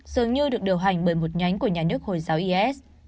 dường như được điều hành bởi một nhánh của nhà nước hồi giáo is